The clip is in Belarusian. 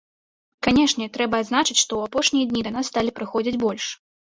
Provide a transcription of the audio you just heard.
Канешне, трэба адзначыць, што ў апошнія дні да нас сталі прыходзіць больш.